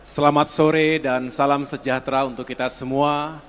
selamat sore dan salam sejahtera untuk kita semua